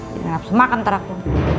jangan dapet semak ntar aku